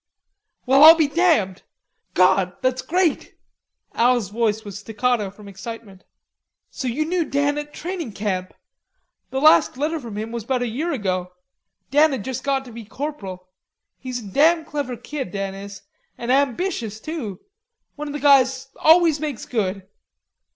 "Well, I'll be damned.... God, that's great!" Al's voice was staccato from excitement. "So you knew Dan at training camp? The last letter from him was 'bout a year ago. Dan'd just got to be corporal. He's a damn clever kid, Dan is, an' ambitious too, one of the guys always makes good....